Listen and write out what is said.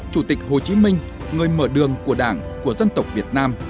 chủ tịch hồ chí minh người mở đường của đảng của dân tộc việt nam